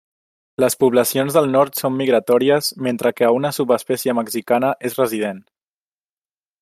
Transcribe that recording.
Les poblacions del nord són migratòries, mentre que una subespècie mexicana és resident.